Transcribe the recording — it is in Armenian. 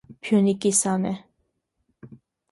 «Փյունիկի» սան է։